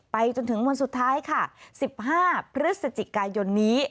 จนถึงวันสุดท้ายค่ะ๑๕พฤศจิกายนนี้